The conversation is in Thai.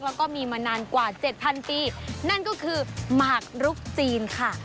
แล้วก็มีมานานกว่าเจ็ดพันปีนั่นก็คือหมากรุกจีนค่ะ